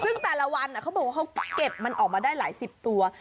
ซึ่งแต่ละวันเขาบอกว่าเขาเก็บมันออกมาได้หลายสิบตัว